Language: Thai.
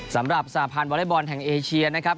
สำหรับสหพันธ์วอเล็กบอลแห่งเอเชียนะครับ